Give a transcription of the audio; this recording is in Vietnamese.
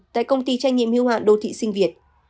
tại công ty trách nhiệm hưu hạn đô thị sinh việt